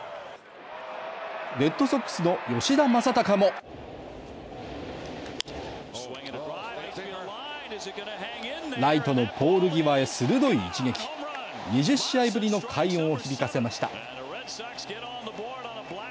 レッドソックスの吉田正尚もライトのポール際へ鋭い一撃２０試合ぶりの快音を響かせました。